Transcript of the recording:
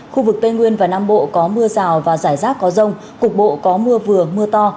khu vực tây nguyên và nam bộ có mưa rào và rải rác có rông cục bộ có mưa vừa mưa to